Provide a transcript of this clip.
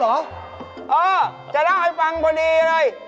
เออจะเล่าให้ฟังพอดีเลย